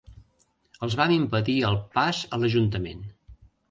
Els vam impedir el pas a l'ajuntament.